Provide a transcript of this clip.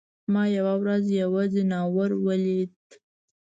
ما یوه ورځ یو ځناور ولید.